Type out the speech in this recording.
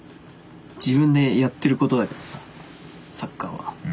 自分でやってることだからさサッカーは。